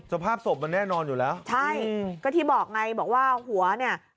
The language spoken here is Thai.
สภาพศพมันแน่นอนอยู่แล้วใช่อืมก็ที่บอกไงบอกว่าหัวเนี่ย